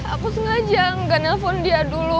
aku sengaja nggak nelfon dia dulu